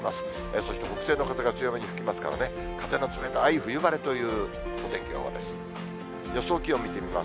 そして、北西の風が強めに吹きますからね、風の冷たい冬晴れというお天気予報です。